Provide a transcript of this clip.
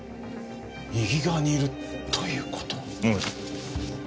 右側にいるという事は。